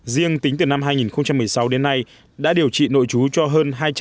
riêng tính từ năm hai nghìn một mươi sáu đến nay đã điều trị nội chú cho hơn hai trăm linh